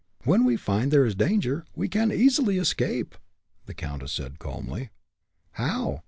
When we find there is danger, we can easily escape," the countess said, calmly. "How?